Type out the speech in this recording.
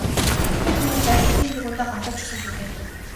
Гэтэл би түүнийг аль хэдийн нэг удаа гомдоочихсон шүү дээ.